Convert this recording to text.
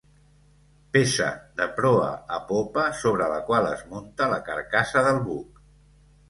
Peça de proa a popa sobre la qual es munta la carcassa del buc.